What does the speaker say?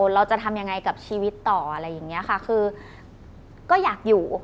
เราจะทำยังไงกับชีวิตต่ออะไรอย่างนี้ค่ะคือก็อยากอยู่